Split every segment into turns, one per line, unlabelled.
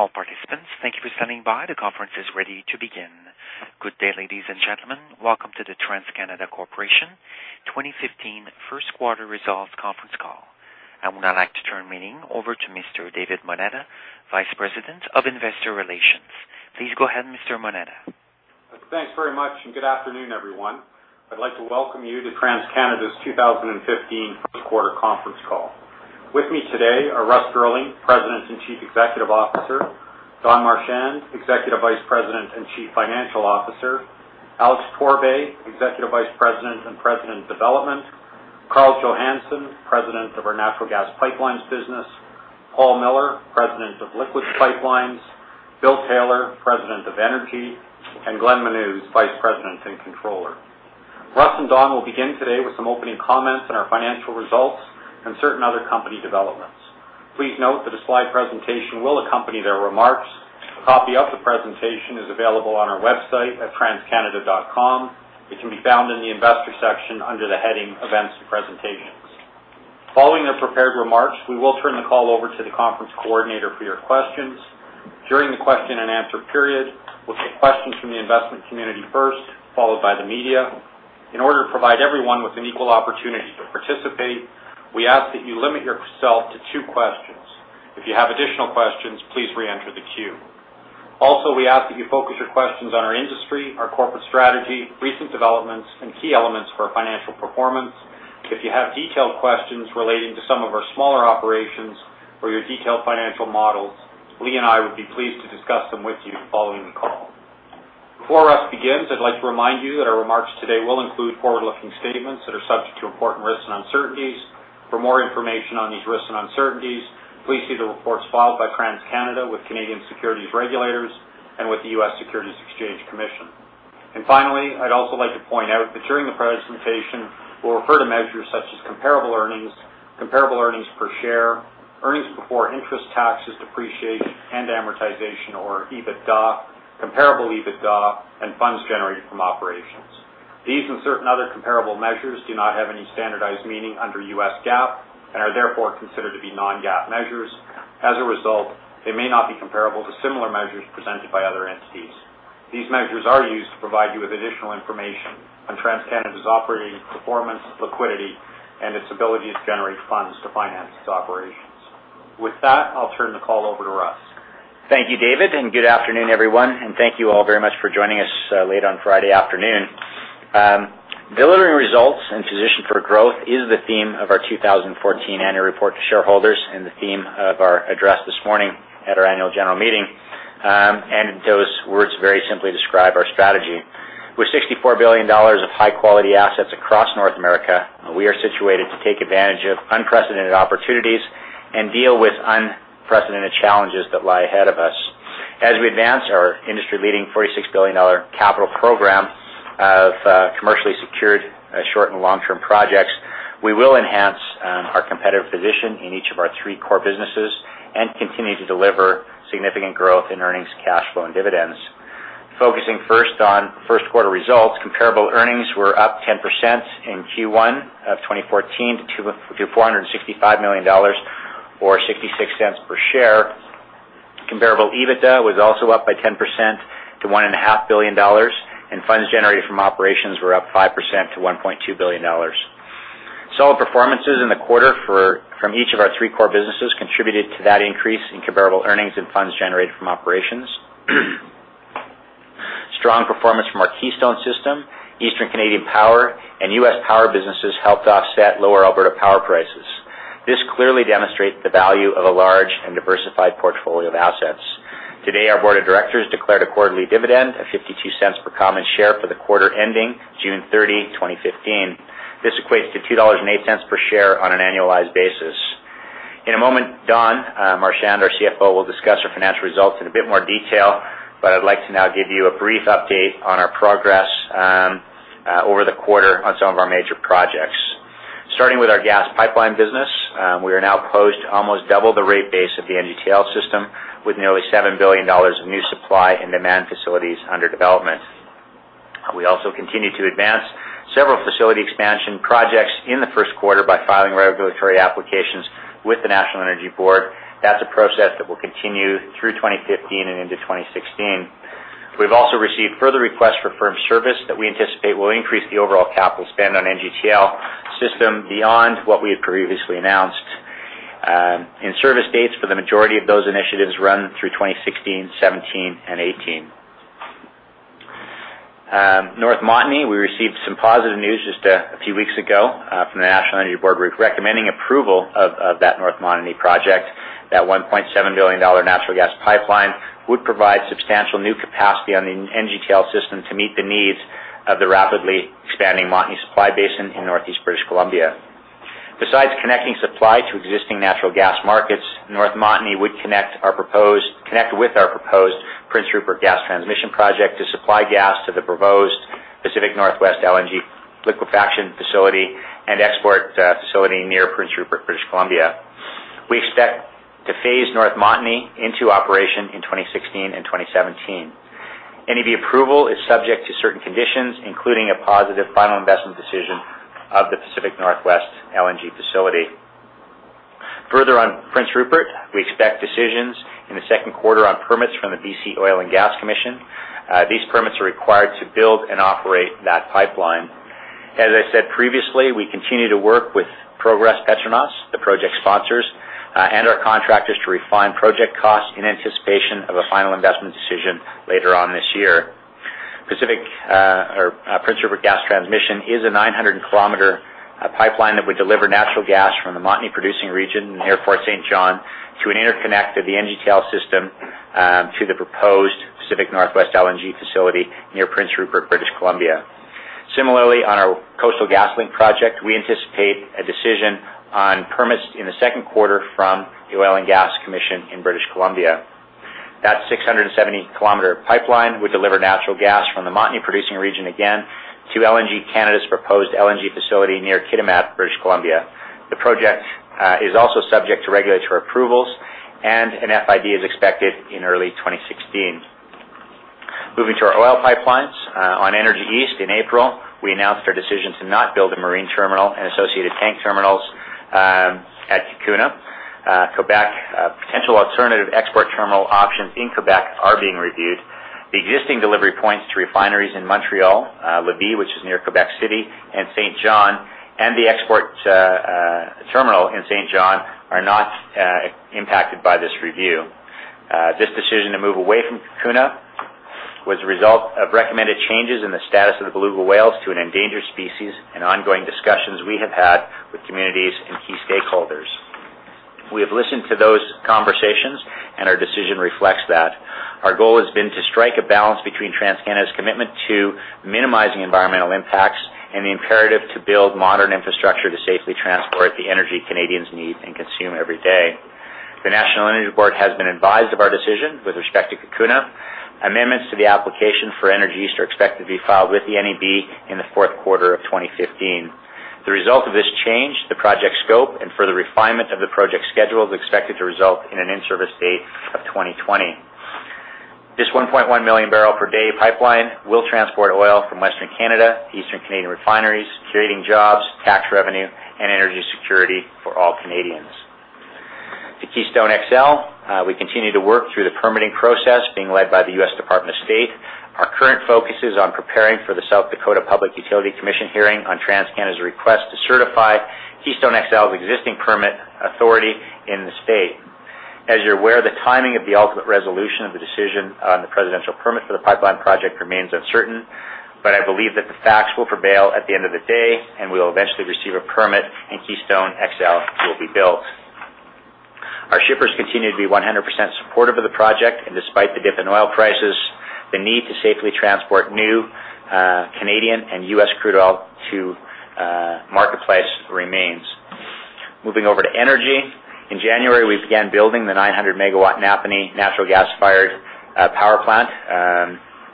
All participants, thank you for standing by. The conference is ready to begin. Good day, ladies and gentlemen. Welcome to the TransCanada Corporation 2015 first quarter results conference call. I would now like to turn the meeting over to Mr. David Moneta, Vice President of Investor Relations. Please go ahead, Mr. Moneta.
Thanks very much. Good afternoon, everyone. I'd like to welcome you to TransCanada's 2015 first quarter conference call. With me today are Russ Girling, President and Chief Executive Officer; Don Marchand, Executive Vice President and Chief Financial Officer; Alex Pourbaix, Executive Vice President and President of Development; Karl Johannson, President of our Natural Gas Pipelines business; Paul Miller, President of Liquids Pipelines; Bill Taylor, President of Energy; and Glenn Menuz, Vice President and Controller. Russ and Don will begin today with some opening comments on our financial results and certain other company developments. Please note that a slide presentation will accompany their remarks. A copy of the presentation is available on our website at transcanada.com. It can be found in the investor section under the heading Events and Presentations. Following their prepared remarks, we will turn the call over to the conference coordinator for your questions. During the question and answer period, we'll take questions from the investment community first, followed by the media. In order to provide everyone with an equal opportunity to participate, we ask that you limit yourself to two questions. If you have additional questions, please re-enter the queue. We ask that you focus your questions on our industry, our corporate strategy, recent developments, and key elements for our financial performance. If you have detailed questions relating to some of our smaller operations or your detailed financial models, Lee and I would be pleased to discuss them with you following the call. Before Russ begins, I'd like to remind you that our remarks today will include forward-looking statements that are subject to important risks and uncertainties. For more information on these risks and uncertainties, please see the reports filed by TransCanada with Canadian securities regulators and with the U.S. Securities and Exchange Commission. Finally, I'd also like to point out that during the presentation, we'll refer to measures such as comparable earnings, comparable earnings per share, earnings before interest, taxes, depreciation, and amortization or EBITDA, comparable EBITDA, and funds generated from operations. These and certain other comparable measures do not have any standardized meaning under U.S. GAAP and are therefore considered to be non-GAAP measures. As a result, they may not be comparable to similar measures presented by other entities. These measures are used to provide you with additional information on TransCanada's operating performance, liquidity, and its ability to generate funds to finance its operations. With that, I'll turn the call over to Russ.
Thank you, David, good afternoon, everyone, and thank you all very much for joining us late on Friday afternoon. Delivering results and position for growth is the theme of our 2014 annual report to shareholders and the theme of our address this morning at our annual general meeting. Those words very simply describe our strategy. With 64 billion dollars of high-quality assets across North America, we are situated to take advantage of unprecedented opportunities and deal with unprecedented challenges that lie ahead of us. As we advance our industry-leading 46 billion dollar capital program of commercially secured short and long-term projects, we will enhance our competitive position in each of our three core businesses and continue to deliver significant growth in earnings, cash flow, and dividends. Focusing first on first quarter results, comparable earnings were up 10% in Q1 2014 to 465 million dollars or 0.66 per share. Comparable EBITDA was also up by 10% to 1.5 billion dollars. Funds generated from operations were up 5% to 1.2 billion dollars. Solid performances in the quarter from each of our three core businesses contributed to that increase in comparable earnings and funds generated from operations. Strong performance from our Keystone System, Eastern Canadian Power, and U.S. Power businesses helped offset lower Alberta power prices. This clearly demonstrates the value of a large and diversified portfolio of assets. Today, our board of directors declared a quarterly dividend of 0.52 per common share for the quarter ending June 30, 2015. This equates to 2.08 dollars per share on an annualized basis. In a moment, Don Marchand, our CFO, will discuss our financial results in a bit more detail, but I'd like to now give you a brief update on our progress over the quarter on some of our major projects. Starting with our gas pipeline business, we are now poised to almost double the rate base of the NGTL System with nearly 7 billion dollars of new supply and demand facilities under development. We also continue to advance several facility expansion projects in the first quarter by filing regulatory applications with the National Energy Board. That's a process that will continue through 2015 and into 2016. We've also received further requests for firm service that we anticipate will increase the overall capital spend on NGTL System beyond what we had previously announced. In service dates for the majority of those initiatives run through 2016, 2017, and 2018. North Montney, we received some positive news just a few weeks ago from the National Energy Board recommending approval of that North Montney project. That 1.7 billion dollar natural gas pipeline would provide substantial new capacity on the NGTL System to meet the needs of the rapidly expanding Montney supply basin in Northeast British Columbia. Besides connecting supply to existing natural gas markets, North Montney would connect with our proposed Prince Rupert Gas Transmission project to supply gas to the proposed Pacific NorthWest LNG liquefaction facility and export facility near Prince Rupert, British Columbia. We expect to phase North Montney into operation in 2016 and 2017. NEB approval is subject to certain conditions, including a positive final investment decision of the Pacific NorthWest LNG facility. Further on Prince Rupert, we expect decisions in the second quarter on permits from the BC Oil and Gas Commission. These permits are required to build and operate that pipeline. As I said previously, we continue to work with Progress Petronas, the project sponsors, and our contractors to refine project costs in anticipation of a final investment decision later on this year. Prince Rupert Gas Transmission is a 900-kilometer pipeline that would deliver natural gas from the Montney producing region near Fort St. John to an interconnect of the NGTL system to the proposed Pacific NorthWest LNG facility near Prince Rupert, British Columbia. Similarly, on our Coastal GasLink project, we anticipate a decision on permits in the second quarter from the Oil and Gas Commission in British Columbia. That 670-kilometer pipeline would deliver natural gas from the Montney producing region again to LNG Canada's proposed LNG facility near Kitimat, British Columbia. The project is also subject to regulatory approvals, and an FID is expected in early 2016. Moving to our oil pipelines. On Energy East in April, we announced our decision to not build a marine terminal and associated tank terminals at Cacouna, Quebec. Potential alternative export terminal options in Quebec are being reviewed. The existing delivery points to refineries in Montreal, Lévis, which is near Quebec City, and Saint John, and the export terminal in Saint John are not impacted by this review. This decision to move away from Cacouna was a result of recommended changes in the status of the beluga whales to an endangered species and ongoing discussions we have had with communities and key stakeholders. We have listened to those conversations, and our decision reflects that. Our goal has been to strike a balance between TransCanada's commitment to minimizing environmental impacts and the imperative to build modern infrastructure to safely transport the energy Canadians need and consume every day. The National Energy Board has been advised of our decision with respect to Cacouna. Amendments to the application for Energy East are expected to be filed with the NEB in the fourth quarter of 2015. The result of this change, the project scope, and further refinement of the project schedule is expected to result in an in-service date of 2020. This 1.1-million-barrel-per-day pipeline will transport oil from Western Canada to Eastern Canadian refineries, creating jobs, tax revenue, and energy security for all Canadians. To Keystone XL, we continue to work through the permitting process being led by the U.S. Department of State. Our current focus is on preparing for the South Dakota Public Utilities Commission hearing on TransCanada's request to certify Keystone XL's existing permit authority in the state. As you're aware, the timing of the ultimate resolution of the decision on the presidential permit for the pipeline project remains uncertain. I believe that the facts will prevail at the end of the day. We will eventually receive a permit. Keystone XL will be built. Our shippers continue to be 100% supportive of the project. Despite the dip in oil prices, the need to safely transport new Canadian and U.S. crude oil to marketplace remains. Moving over to energy. In January, we began building the 900-megawatt Napanee natural gas-fired power plant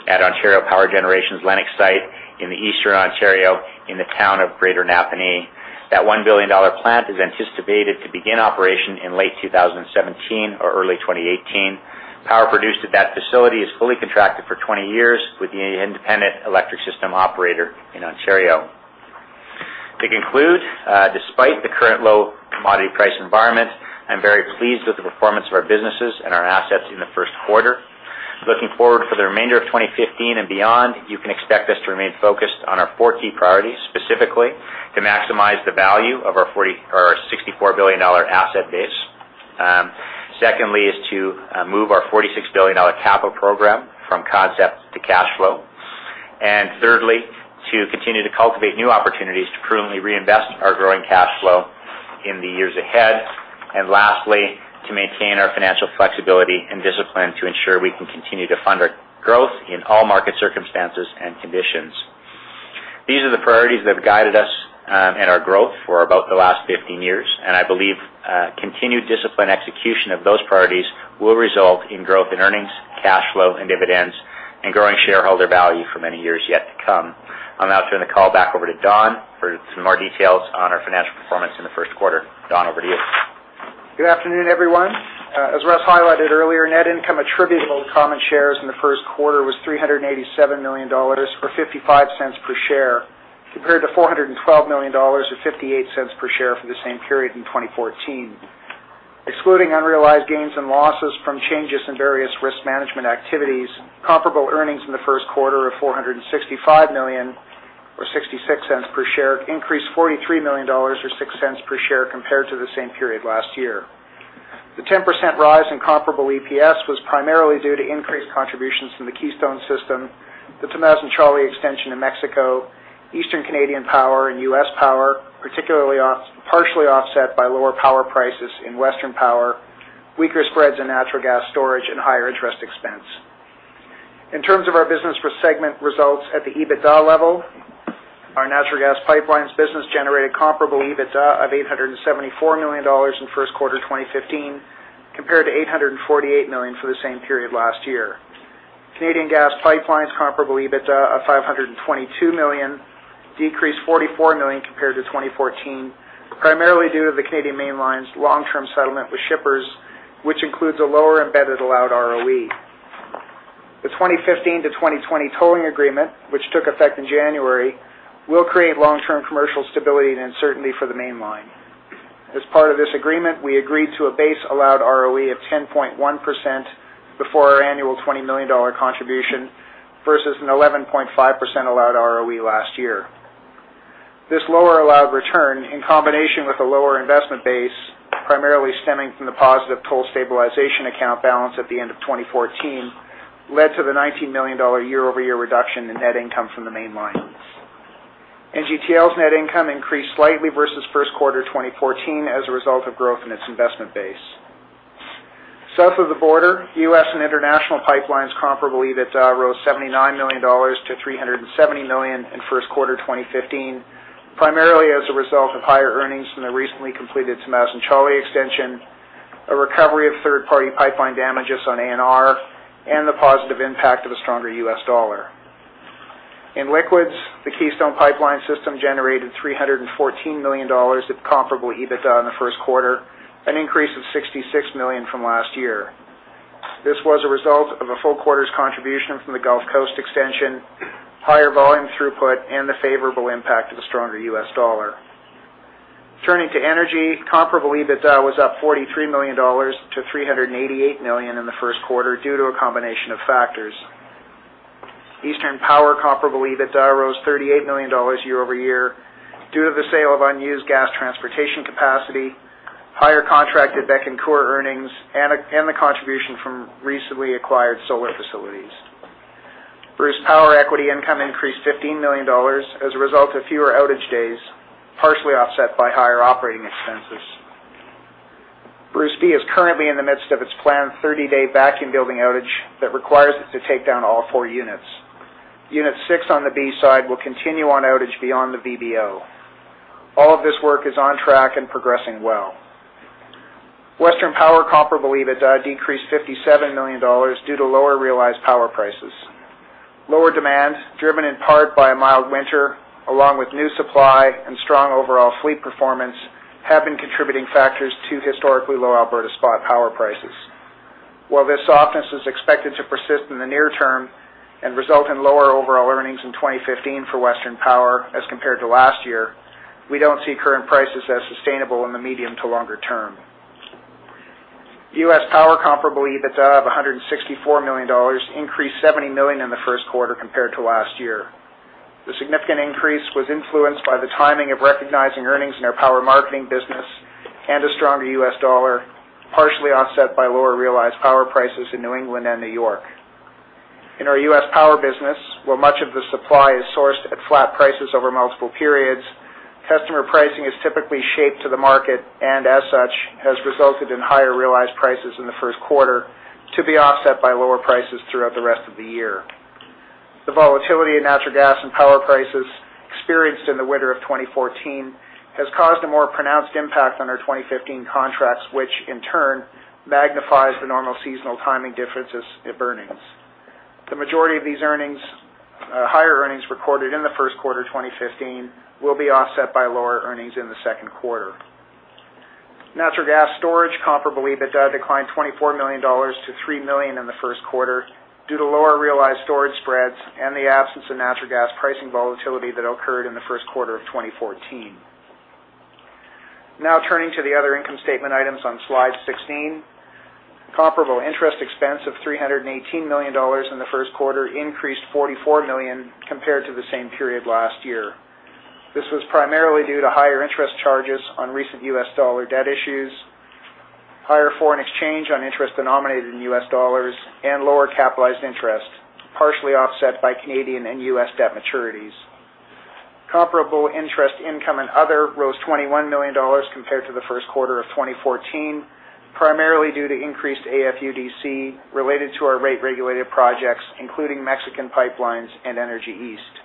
at Ontario Power Generation's Lennox site in the Eastern Ontario, in the town of Greater Napanee. That 1 billion dollar plant is anticipated to begin operation in late 2017 or early 2018. Power produced at that facility is fully contracted for 20 years with the Independent Electricity System Operator in Ontario. To conclude, despite the current low commodity price environment, I'm very pleased with the performance of our businesses and our assets in the first quarter. Looking forward for the remainder of 2015 and beyond, you can expect us to remain focused on our four key priorities. Specifically, to maximize the value of our 64 billion dollar asset base. Secondly, is to move our 46 billion dollar capital program from concept to cash flow. Thirdly, to continue to cultivate new opportunities to prudently reinvest our growing cash flow in the years ahead. Lastly, to maintain our financial flexibility and discipline to ensure we can continue to fund our growth in all market circumstances and conditions. These are the priorities that have guided us and our growth for about the last 15 years, I believe continued disciplined execution of those priorities will result in growth in earnings, cash flow, and dividends, growing shareholder value for many years yet to come. I'll now turn the call back over to Don for some more details on our financial performance in the first quarter. Don, over to you.
Good afternoon, everyone. As Russ highlighted earlier, net income attributable to common shares in the first quarter was 387 million dollars, or 0.55 per share, compared to 412 million dollars or 0.58 per share for the same period in 2014. Excluding unrealized gains and losses from changes in various risk management activities, comparable earnings in the first quarter of 465 million or 0.66 per share increased 43 million dollars or 0.06 per share compared to the same period last year. The 10% rise in comparable EPS was primarily due to increased contributions from the Keystone system, the Tamazunchale extension in Mexico, Eastern Canadian Power and U.S. Power, particularly partially offset by lower power prices in Western Power, weaker spreads in natural gas storage, and higher interest expense. In terms of our business for segment results at the EBITDA level, our natural gas pipelines business generated comparable EBITDA of CAD 874 million in first quarter 2015, compared to CAD 848 million for the same period last year. Canadian Gas Pipelines' comparable EBITDA of CAD 522 million decreased CAD 44 million compared to 2014, primarily due to the Canadian Mainline's long-term settlement with shippers, which includes a lower embedded allowed ROE. The 2015-2020 tolling agreement, which took effect in January, will create long-term commercial stability and certainty for the Mainline. As part of this agreement, we agreed to a base allowed ROE of 10.1% before our annual 20 million dollar contribution, versus an 11.5% allowed ROE last year. This lower allowed return, in combination with a lower investment base, primarily stemming from the positive toll stabilization account balance at the end of 2014, led to the CAD 19 million year-over-year reduction in net income from the Canadian Mainline. NGTL's net income increased slightly versus first quarter 2014 as a result of growth in its investment base. South of the border, U.S. and International Pipelines comparable EBITDA rose $79 million to $370 million in first quarter 2015, primarily as a result of higher earnings from the recently completed Tamazunchale extension, a recovery of third-party pipeline damages on ANR, and the positive impact of a stronger U.S. dollar. In liquids, the Keystone Pipeline System generated $314 million of comparable EBITDA in the first quarter, an increase of $66 million from last year. This was a result of a full quarter's contribution from the Gulf Coast Project, higher volume throughput, and the favorable impact of a stronger U.S. dollar. Turning to energy, comparable EBITDA was up $43 million to $388 million in the first quarter due to a combination of factors. Eastern Power comparable EBITDA rose 38 million dollars year-over-year due to the sale of unused gas transportation capacity, higher contracted Bécancour earnings, and the contribution from recently acquired solar facilities. Bruce Power equity income increased 15 million dollars as a result of fewer outage days, partially offset by higher operating expenses. Bruce B is currently in the midst of its planned 30-day vacuum building outage that requires it to take down all four units. Unit six on the B side will continue on outage beyond the VBO. All of this work is on track and progressing well. Western Power comparable EBITDA decreased 57 million dollars due to lower realized power prices. Lower demand, driven in part by a mild winter, along with new supply and strong overall fleet performance, have been contributing factors to historically low Alberta spot power prices. While this softness is expected to persist in the near term and result in lower overall earnings in 2015 for Western Power as compared to last year, we don't see current prices as sustainable in the medium to longer term. U.S. Power comparable EBITDA of $164 million increased $70 million in the first quarter compared to last year. The significant increase was influenced by the timing of recognizing earnings in our power marketing business and a stronger U.S. dollar, partially offset by lower realized power prices in New England and New York. In our U.S. Power business, where much of the supply is sourced at flat prices over multiple periods, customer pricing is typically shaped to the market, and as such, has resulted in higher realized prices in the first quarter, to be offset by lower prices throughout the rest of the year. The volatility in natural gas and power prices experienced in the winter of 2014 has caused a more pronounced impact on our 2015 contracts, which in turn magnifies the normal seasonal timing differences in earnings. The majority of these higher earnings recorded in the first quarter 2015 will be offset by lower earnings in the second quarter. Natural gas storage comparable EBITDA declined $24 million to $3 million in the first quarter due to lower realized storage spreads and the absence of natural gas pricing volatility that occurred in the first quarter of 2014. Turning to the other income statement items on slide 16. Comparable interest expense of 318 million dollars in the first quarter increased 44 million compared to the same period last year. This was primarily due to higher interest charges on recent U.S. dollar debt issues, higher foreign exchange on interest denominated in U.S. dollars, and lower capitalized interest, partially offset by Canadian and U.S. debt maturities. Comparable interest income and other rose 21 million dollars compared to the first quarter of 2014, primarily due to increased AFUDC related to our rate-regulated projects, including Mexican pipelines and Energy East.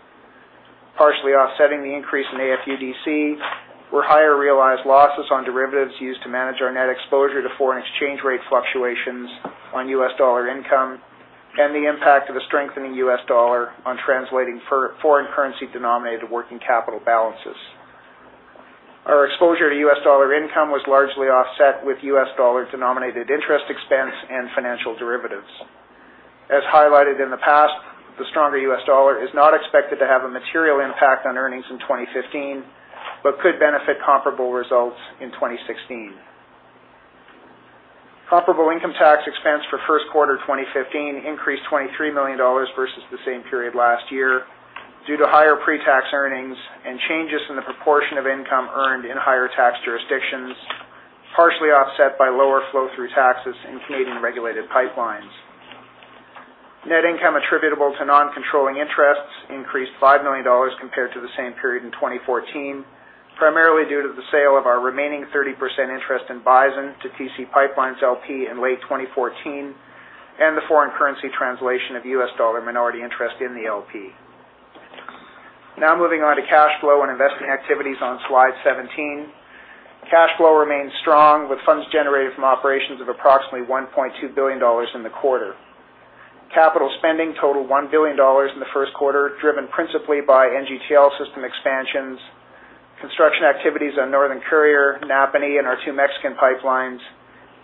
Partially offsetting the increase in AFUDC were higher realized losses on derivatives used to manage our net exposure to foreign exchange rate fluctuations on U.S. dollar income and the impact of a strengthening U.S. dollar on translating foreign currency denominated working capital balances. Our exposure to U.S. dollar income was largely offset with U.S. dollar-denominated interest expense and financial derivatives. As highlighted in the past, the stronger U.S. dollar is not expected to have a material impact on earnings in 2015, but could benefit comparable results in 2016. Comparable income tax expense for first quarter 2015 increased 23 million dollars versus the same period last year due to higher pre-tax earnings and changes in the proportion of income earned in higher tax jurisdictions, partially offset by lower flow-through taxes in Canadian-regulated pipelines. Net income attributable to non-controlling interests increased 5 million dollars compared to the same period in 2014, primarily due to the sale of our remaining 30% interest in Bison to TC PipeLines, LP in late 2014 and the foreign currency translation of U.S. dollar minority interest in the LP. Moving on to cash flow and investing activities on Slide 17. Cash flow remains strong with funds generated from operations of approximately 1.2 billion dollars in the quarter. Capital spending totaled 1 billion dollars in the first quarter, driven principally by NGTL system expansions, construction activities on Northern Courier, Napanee and our two Mexican pipelines,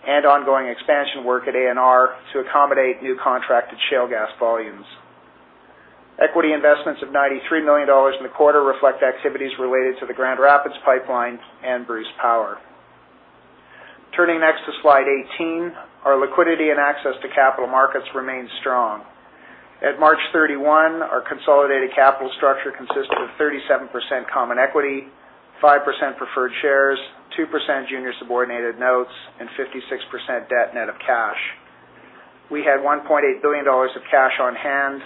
and ongoing expansion work at ANR to accommodate new contracted shale gas volumes. Equity investments of 93 million dollars in the quarter reflect activities related to the Grand Rapids Pipeline and Bruce Power. Turning next to Slide 18, our liquidity and access to capital markets remains strong. At March 31, our consolidated capital structure consisted of 37% common equity, 5% preferred shares, 2% junior subordinated notes, and 56% debt net of cash. We had 1.8 billion dollars of cash on hand,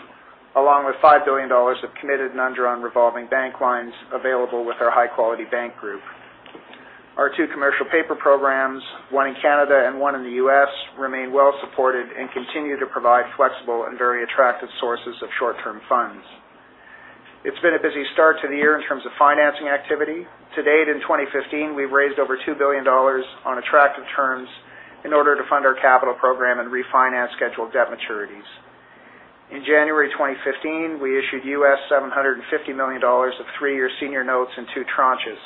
along with 5 billion dollars of committed and undrawn revolving bank lines available with our high-quality bank group. Our two commercial paper programs, one in Canada and one in the U.S., remain well supported and continue to provide flexible and very attractive sources of short-term funds. It's been a busy start to the year in terms of financing activity. To date, in 2015, we've raised over 2 billion dollars on attractive terms in order to fund our capital program and refinance scheduled debt maturities. In January 2015, we issued US$750 million of three-year senior notes in two tranches,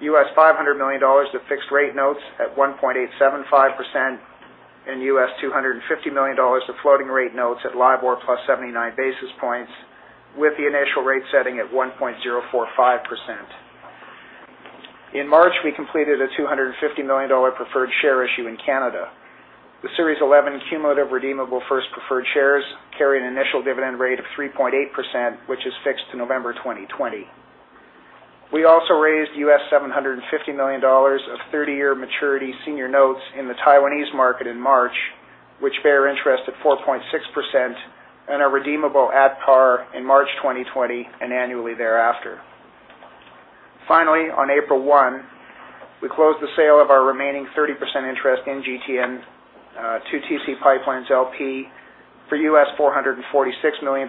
US$500 million of fixed-rate notes at 1.875%, and US$250 million of floating rate notes at LIBOR plus 79 basis points, with the initial rate setting at 1.045%. In March, we completed a 250 million dollar preferred share issue in Canada. The Series 11 cumulative redeemable first preferred shares carry an initial dividend rate of 3.8%, which is fixed to November 2020. We also raised US$750 million of 30-year maturity senior notes in the Taiwanese market in March, which bear interest at 4.6% and are redeemable at par in March 2020 and annually thereafter. Finally, on April 1, we closed the sale of our remaining 30% interest in GTN to TC PipeLines, LP for US$446 million,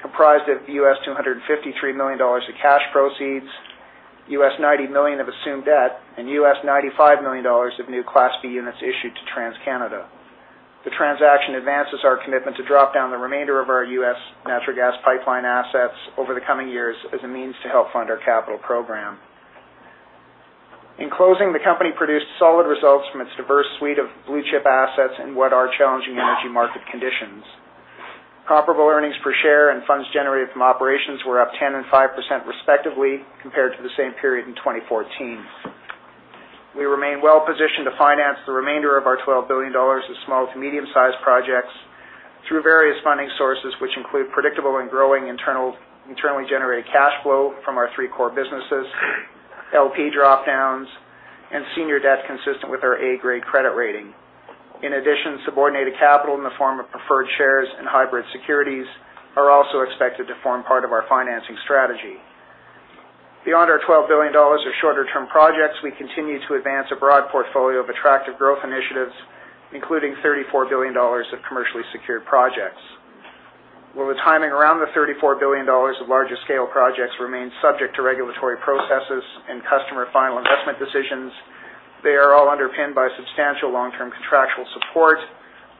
comprised of US$253 million of cash proceeds, US$90 million of assumed debt, and US$95 million of new Class B units issued to TransCanada. The transaction advances our commitment to drop down the remainder of our U.S. natural gas pipeline assets over the coming years as a means to help fund our capital program. In closing, the company produced solid results from its diverse suite of blue-chip assets in what are challenging energy market conditions. Comparable earnings per share and funds generated from operations were up 10% and 5% respectively compared to the same period in 2014. We remain well-positioned to finance the remainder of our 12 billion dollars of small to medium-sized projects through various funding sources, which include predictable and growing internally generated cash flow from our three core businesses, LP drop-downs, and senior debt consistent with our A-grade credit rating. In addition, subordinated capital in the form of preferred shares and hybrid securities are also expected to form part of our financing strategy. Beyond our 12 billion dollars of shorter-term projects, we continue to advance a broad portfolio of attractive growth initiatives, including 34 billion dollars of commercially secured projects. While the timing around the 34 billion dollars of larger-scale projects remains subject to regulatory processes and customer final investment decisions, they are all underpinned by substantial long-term contractual support,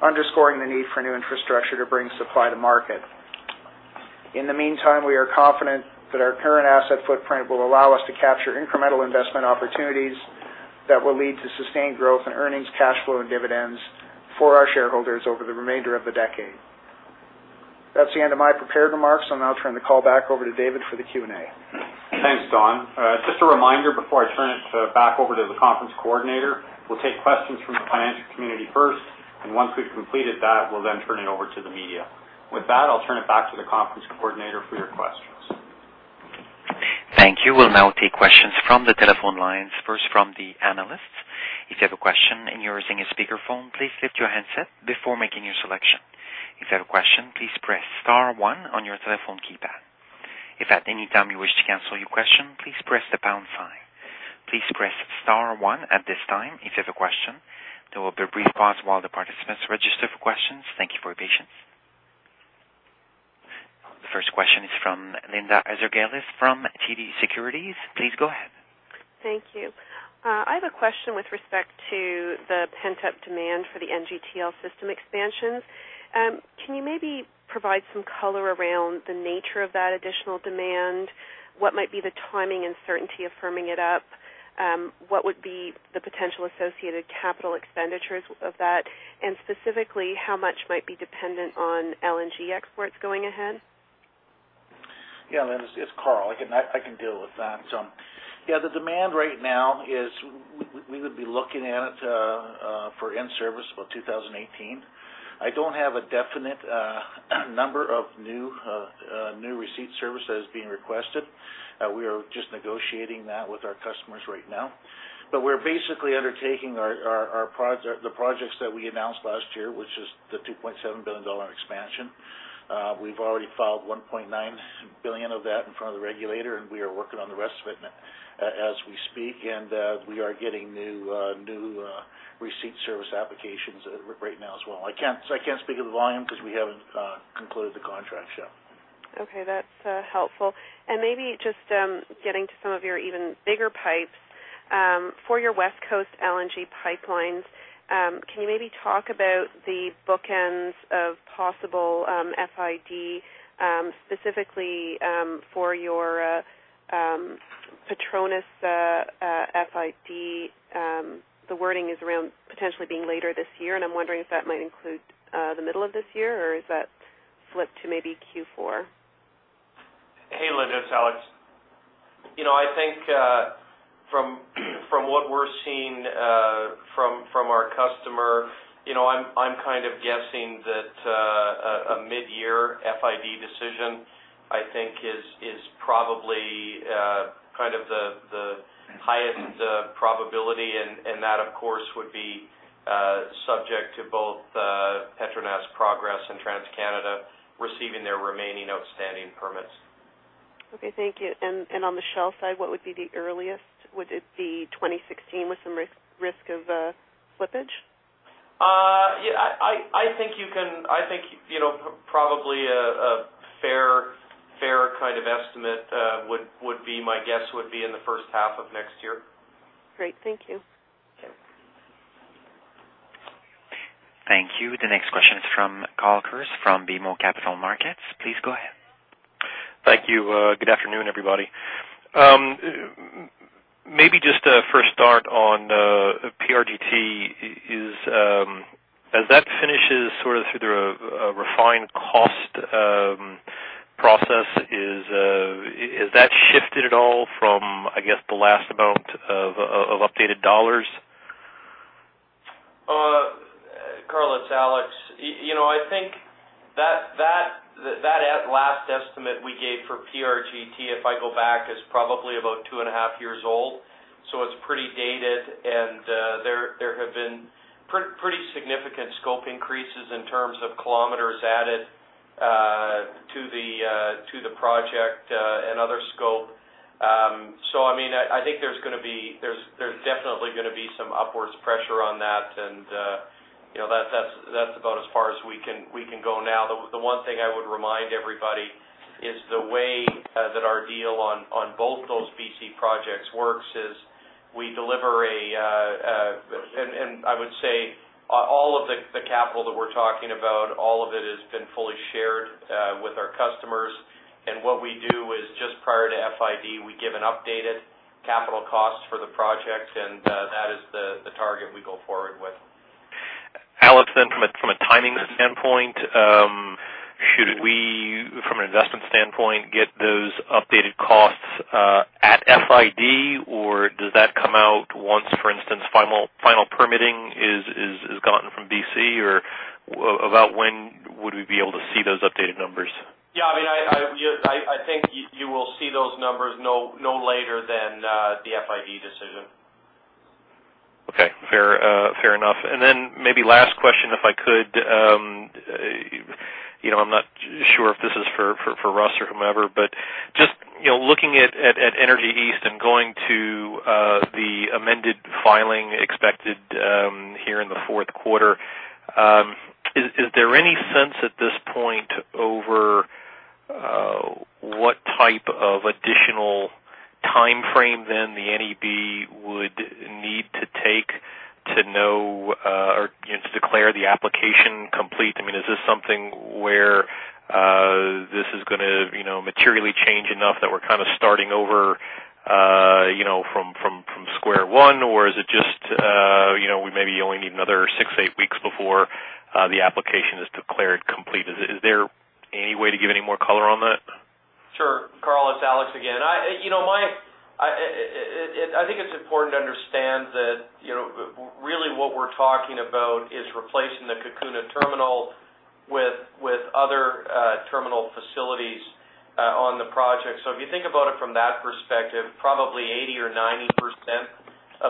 underscoring the need for new infrastructure to bring supply to market. In the meantime, we are confident that our current asset footprint will allow us to capture incremental investment opportunities that will lead to sustained growth in earnings, cash flow, and dividends for our shareholders over the remainder of the decade. That's the end of my prepared remarks. I'll now turn the call back over to David for the Q&A.
Thanks, Don. Just a reminder, before I turn it back over to the conference coordinator, once we've completed that, we'll then turn it over to the media. With that, I'll turn it back to the conference coordinator for your questions.
Thank you. We'll now take questions from the telephone lines, first from the analysts. If you have a question and you're using a speakerphone, please lift your handset before making your selection. If you have a question, please press *1 on your telephone keypad. If at any time you wish to cancel your question, please press the # sign. Please press *1 at this time if you have a question. There will be a brief pause while the participants register for questions. Thank you for your patience. The first question is from Linda Ezergailis from TD Securities. Please go ahead.
Thank you. I have a question with respect to the pent-up demand for the NGTL system expansions. Can you maybe provide some color around the nature of that additional demand? What might be the timing and certainty of firming it up? What would be the potential associated capital expenditures of that? Specifically, how much might be dependent on LNG exports going ahead?
Yeah, Linda, it's Karl. I can deal with that. Yeah, the demand right now is we would be looking at it for in-service about 2018. I don't have a definite number of new receipt service that is being requested. We are just negotiating that with our customers right now. We're basically undertaking the projects that we announced last year, which is the 2.7 billion dollar expansion. We've already filed 1.9 billion of that in front of the regulator, we are working on the rest of it as we speak, and we are getting new receipt service applications right now as well. I can't speak of the volume because we haven't concluded the contracts yet.
Okay, that's helpful. Maybe just getting to some of your even bigger pipes. For your West Coast LNG pipelines, can you maybe talk about the bookends of possible FID, specifically for your PETRONAS FID? The wording is around potentially being later this year, I'm wondering if that might include the middle of this year, or is that flipped to maybe Q4?
Hey, Linda, it's Alex. I think from what we're seeing from our customer, I'm guessing that a mid-year FID decision is probably the highest probability. That, of course, would be subject to both PETRONAS progress and TransCanada receiving their remaining outstanding permits.
Okay, thank you. On the Shell side, what would be the earliest? Would it be 2016 with some risk of slippage?
Yeah, I think probably a fair estimate would be, my guess would be in the first half of next year.
Great. Thank you.
Okay.
Thank you. The next question is from Carl Kirst from BMO Capital Markets. Please go ahead.
Thank you. Good afternoon, everybody. Maybe just a fresh start on PRGT. As that finishes through the refined cost process, has that shifted at all from, I guess, the last amount of updated dollars?
Carl, it's Alex. I think that last estimate we gave for PRGT, if I go back, is probably about two and a half years old, so it's pretty dated, and there have been pretty significant scope increases in terms of kilometers added to the project and other scope. I think there's definitely going to be some upwards pressure on that, and that's about as far as we can go now. The one thing I would remind everybody is the way that our deal on both those BC projects works is all of the capital that we're talking about, all of it has been fully shared with our customers. What we do is just prior to FID, we give an updated capital cost for the project, and that is the target we go forward with.
Alex, from a timing standpoint, should we, from an investment standpoint, get those updated costs at FID, or does that come out once, for instance, final permitting is gotten from BC, or about when would we be able to see those updated numbers?
Yeah, I think you will see those numbers no later than the FID decision.
Okay. Fair enough. Maybe last question, if I could. I'm not sure if this is for Russ or whomever, but just looking at Energy East and going to the amended filing expected here in the fourth quarter, is there any sense at this point over what type of additional timeframe then the NEB would need to take to know or to declare the application complete? Is this something where this is going to materially change enough that we're starting over from square one, or is it just we maybe only need another six, eight weeks before the application is declared complete? Is there any way to give any more color on that?
Sure, Carl, it's Alex again. I think it's important to understand that really what we're talking about is replacing the Cacouna terminal with other terminal facilities on the project. If you think about it from that perspective, probably 80% or 90%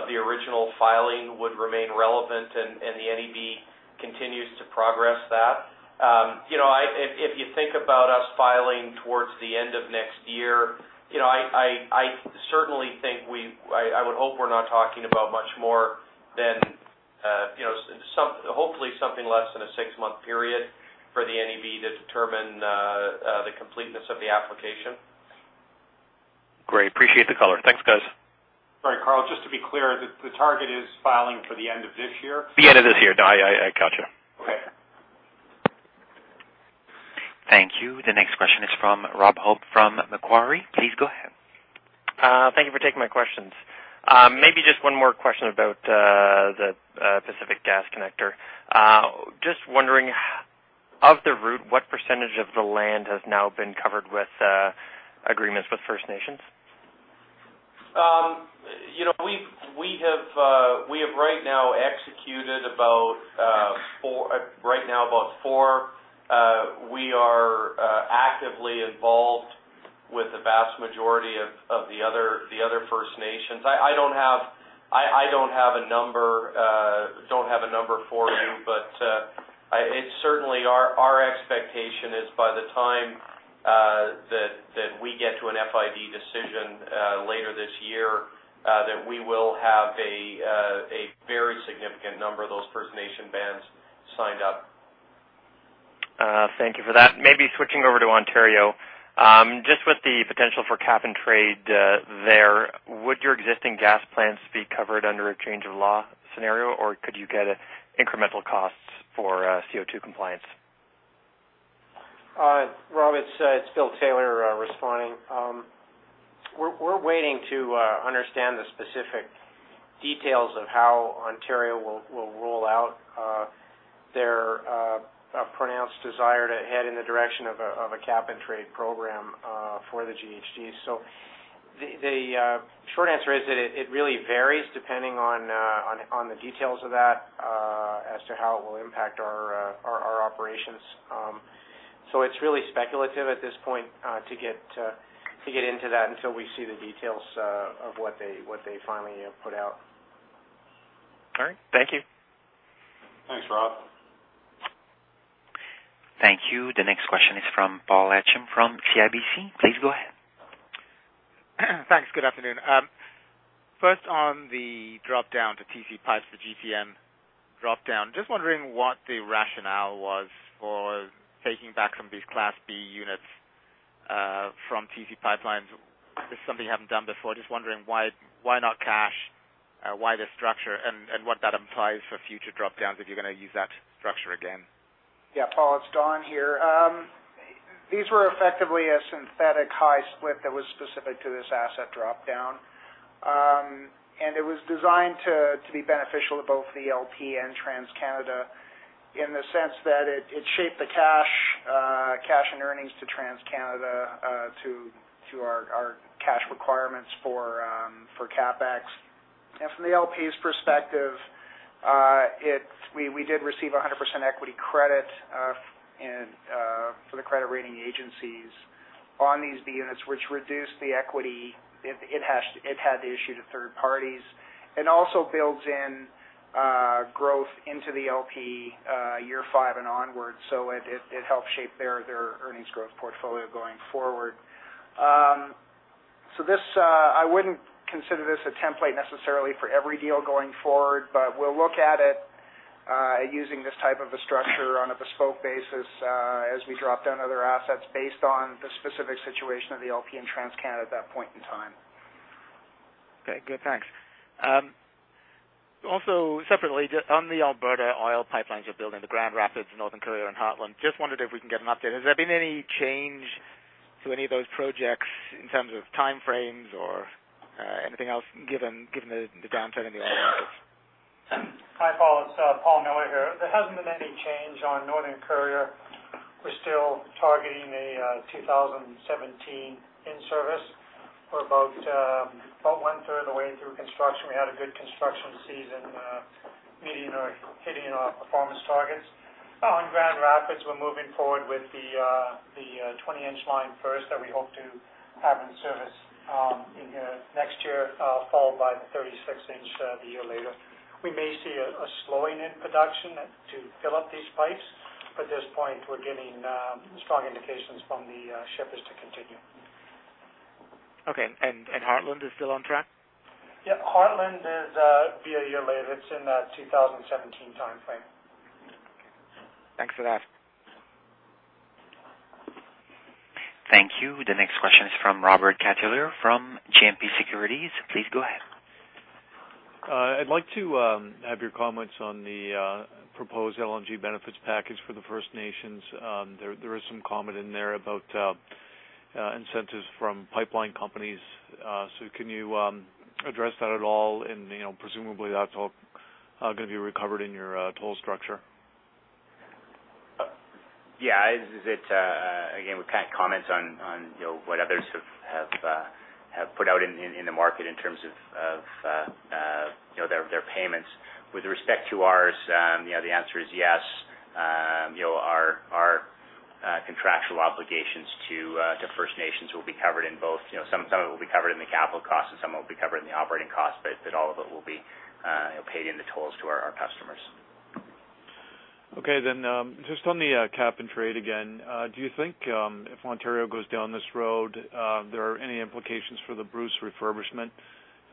of the original filing would remain relevant. The NEB continues to progress that. If you think about us filing towards the end of next year, I would hope we're not talking about much more than hopefully something less than a six-month period for the NEB to determine the completeness of the application.
Great. Appreciate the color. Thanks, guys.
Sorry, Carl, just to be clear, the target is filing for the end of this year?
The end of this year. No, I got you.
Okay.
Thank you. The next question is from Rob Hope from Macquarie. Please go ahead.
Thank you for taking my questions. Maybe just one more question about the Pacific Gas Connector. Just wondering, of the route, what percentage of the land has now been covered with agreements with First Nations?
We have right now executed about four. We are actively involved with the vast majority of the other First Nations. I don't have a number for you, but certainly, our expectation is by the time that we get to an FID decision later this year, that we will have a very significant number of those First Nation bands Signed up.
Thank you for that. Maybe switching over to Ontario. Just with the potential for cap and trade there, would your existing gas plants be covered under a change of law scenario, or could you get incremental costs for CO2 compliance?
Rob, it's Bill Taylor responding. We're waiting to understand the specific details of how Ontario will roll out their pronounced desire to head in the direction of a cap and trade program for the GHGs. The short answer is that it really varies depending on the details of that as to how it will impact our operations. It's really speculative at this point to get into that until we see the details of what they finally put out.
All right. Thank you.
Thanks, Rob.
Thank you. The next question is from Paul Lechem from CIBC. Please go ahead.
Thanks. Good afternoon. First on the drop-down to TC PipeLines for the GTN drop-down. Just wondering what the rationale was for taking back some of these Class B units from TC PipeLines. This is something you haven't done before. Just wondering why not cash, why this structure, and what that implies for future drop-downs if you're going to use that structure again.
Yeah. Paul, it's Don here. These were effectively a synthetic high split that was specific to this asset drop-down. It was designed to be beneficial to both the LP and TransCanada in the sense that it shaped the cash and earnings to TransCanada to our cash requirements for CapEx. From the LP's perspective, we did receive 100% equity credit for the credit rating agencies on these B units, which reduced the equity it had to issue to third parties and also builds in growth into the LP year five and onwards. It helped shape their earnings growth portfolio going forward. I wouldn't consider this a template necessarily for every deal going forward, but we'll look at it using this type of a structure on a bespoke basis as we drop down other assets based on the specific situation of the LP and TransCanada at that point in time.
Okay, good. Thanks. Also, separately, on the Alberta oil pipelines you're building, the Grand Rapids, Northern Courier, and Heartland, just wondered if we can get an update. Has there been any change to any of those projects in terms of time frames or anything else given the downturn in the oil markets?
Hi, Paul. It's Paul Miller here. There hasn't been any change on Northern Courier. We're still targeting a 2017 in-service. We're about one-third of the way through construction. We had a good construction season meeting or hitting our performance targets. On Grand Rapids, we're moving forward with the 20-inch line first that we hope to have in service next year, followed by the 36-inch the year later. We may see a slowing in production to fill up these pipes, but at this point, we're getting strong indications from the shippers to continue.
Okay, Heartland is still on track?
Yeah, Heartland is be a year later. It's in the 2017 timeframe.
Thanks for that.
Thank you. The next question is from Robert Catellier from GMP Securities. Please go ahead.
I'd like to have your comments on the proposed LNG benefits package for the First Nations. There is some comment in there about incentives from pipeline companies. Can you address that at all? Presumably, that's all going to be recovered in your toll structure.
Yeah. Again, we can't comment on what others have put out in the market in terms of their payments. With respect to ours, the answer is yes. Our contractual obligations to First Nations will be covered in both. Some of it will be covered in the capital cost, and some of it will be covered in the operating cost, but all of it will be paid in the tolls to our customers.
Okay, just on the cap and trade again, do you think if Ontario goes down this road, there are any implications for the Bruce refurbishment,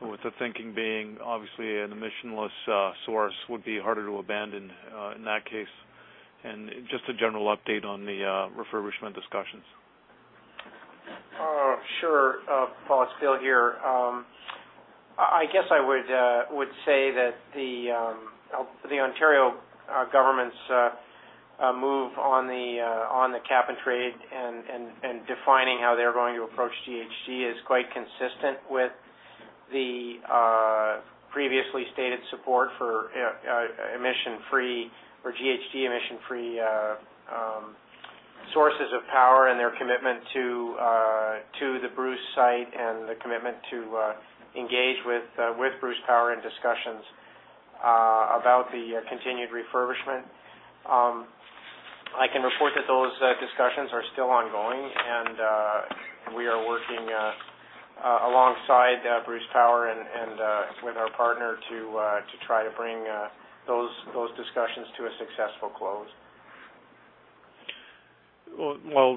with the thinking being obviously an emissionless source would be harder to abandon in that case? Just a general update on the refurbishment discussions.
Sure. Paul, it's Bill here. I guess I would say that the Ontario government's move on the cap and trade and defining how they're going to approach GHG is quite consistent with the previously stated support for emission-free or GHG emission-free sources of power and their commitment to the Bruce site and the commitment to engage with Bruce Power in discussions about the continued refurbishment. I can report that those discussions are still ongoing, and we are working alongside Bruce Power and with our partner to try to bring those discussions to a successful close.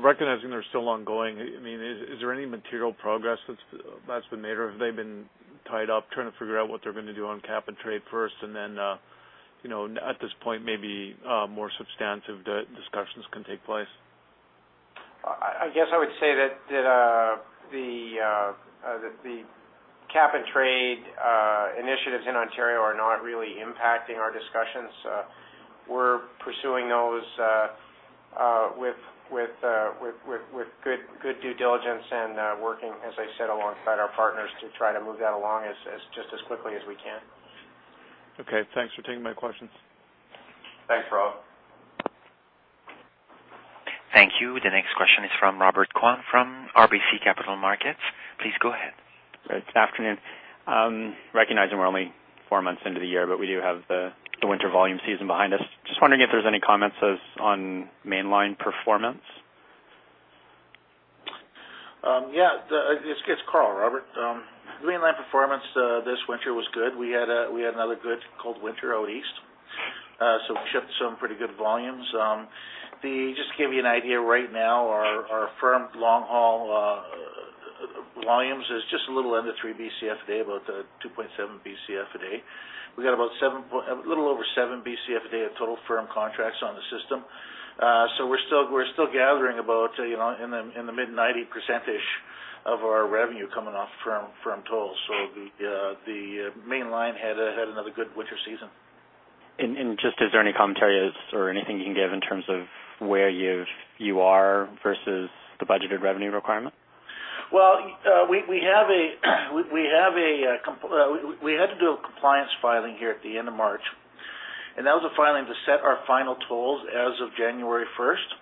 recognizing they're still ongoing, is there any material progress that's been made, or have they been tied up trying to figure out what they're going to do on cap and trade first, and then at this point, maybe more substantive discussions can take place?
I guess I would say that the cap and trade initiatives in Ontario are not really impacting our discussions. We're pursuing those with good due diligence and working, as I said, alongside our partners to try to move that along just as quickly as we can.
Okay. Thanks for taking my questions.
Thanks, Rob.
Thank you. The next question is from Robert Kwan from RBC Capital Markets. Please go ahead.
Right. Afternoon. Recognizing we're only four months into the year, but we do have the winter volume season behind us. Just wondering if there's any comments on mainline performance.
It's Karl, Robert. Mainline performance this winter was good. We had another good cold winter out east, we shipped some pretty good volumes. Just to give you an idea right now, our firm long-haul volumes is just a little under three Bcf a day, about 2.7 Bcf a day. We've got a little over seven Bcf a day of total firm contracts on the system. We're still gathering about in the mid-90% of our revenue coming off firm tolls. The mainline had another good winter season.
Just, is there any commentary or anything you can give in terms of where you are versus the budgeted revenue requirement?
Well, we had to do a compliance filing here at the end of March. That was a filing to set our final tolls as of January 1st.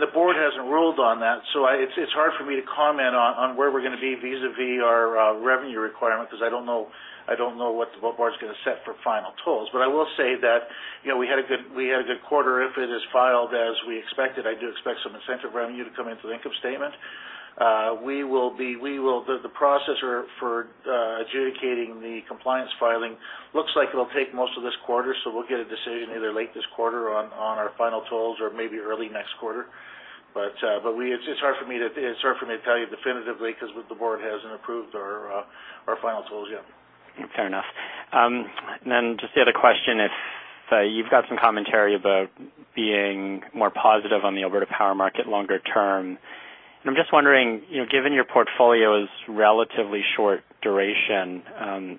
The board hasn't ruled on that. It's hard for me to comment on where we're going to be vis-a-vis our revenue requirement, because I don't know what the board's going to set for final tolls. I will say that, we had a good quarter. If it is filed as we expected, I do expect some incentive revenue to come into the income statement. The process for adjudicating the compliance filing looks like it'll take most of this quarter. We'll get a decision either late this quarter on our final tolls or maybe early next quarter. It's hard for me to tell you definitively because the board hasn't approved our final tolls yet.
Fair enough. Just the other question, if you've got some commentary about being more positive on the Alberta power market longer term. I'm just wondering, given your portfolio's relatively short duration,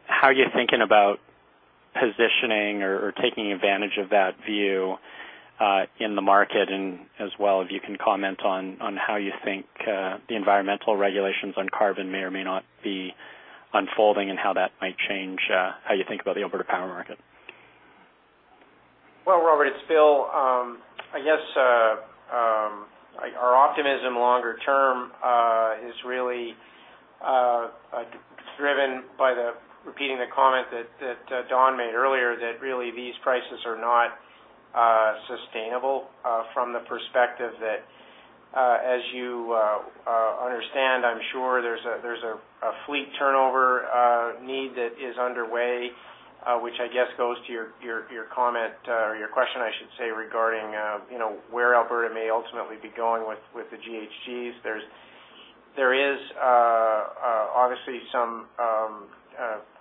how are you thinking about positioning or taking advantage of that view in the market? As well, if you can comment on how you think the environmental regulations on carbon may or may not be unfolding, and how that might change how you think about the Alberta power market.
Well, Robert, it's Bill. I guess our optimism longer term is really driven by repeating the comment that Don made earlier, that really these prices are not sustainable from the perspective that, as you understand, I'm sure there's a fleet turnover need that is underway, which I guess goes to your comment, or your question I should say, regarding where Alberta may ultimately be going with the GHGs. There is obviously